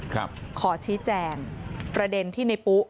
ขอชี้แจงประเด็นที่ในปุ๊